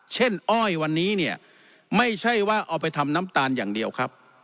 อ้อยวันนี้เนี่ยไม่ใช่ว่าเอาไปทำน้ำตาลอย่างเดียวครับ